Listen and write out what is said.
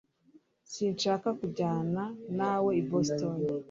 Sinshaka kujyana nawe i Boston